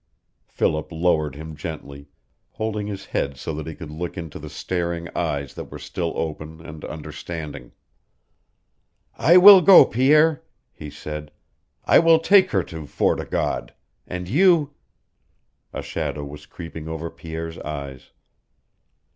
Philip lowered him gently, holding his head so that he could look into the staring eyes that were still open and understanding. "I will go, Pierre," he said. "I will take her to Fort o' God. And you " A shadow was creeping over Pierre's eyes.